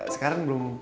berada di rumah